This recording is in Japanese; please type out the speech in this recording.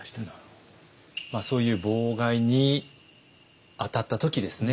そういう妨害に当たった時ですね